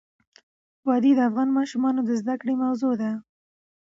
وادي د افغان ماشومانو د زده کړې موضوع ده.